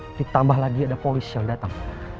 tapi tambah lagi ada polis yang datang